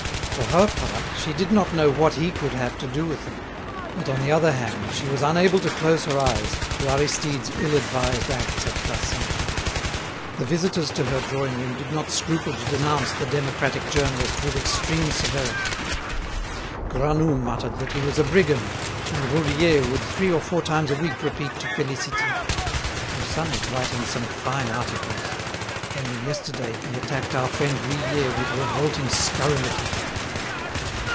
For her part she did not know what he could have to do with them, but on the other hand she was unable to close her eyes to Aristide's ill advised acts at Plassans. The visitors to her drawing room did not scruple to denounce the democratic journalist with extreme severity. Granoux muttered that he was a brigand, and Roudier would three or four times a week repeat to Félicité: "Your son is writing some fine articles. Only yesterday he attacked our friend Vuillet with revolting scurrility."